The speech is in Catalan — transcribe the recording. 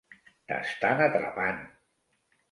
T'estan atrapant!